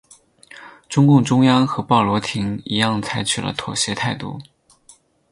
中共中央和鲍罗廷一样采取了妥协态度。